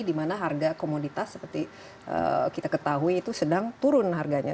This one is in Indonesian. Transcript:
di mana harga komoditas seperti kita ketahui itu sedang turun harganya